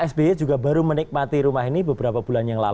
sby juga baru menikmati rumah ini beberapa bulan yang lalu